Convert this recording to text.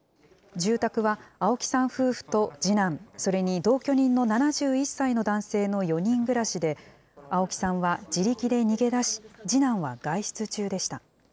住宅は青木さん夫婦と次男、それに同居人の７１歳の男性の４人暮らしで、青木さんは自力で逃げ出し、次男は外出中でした。